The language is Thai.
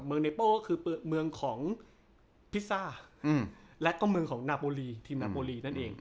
เมืองเนเปิลก็คือเมืองของพิซซ่าแล้วก็เมืองของหนาโปรี